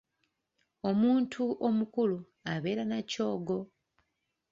Omuntu omukulu abeera na kyogo.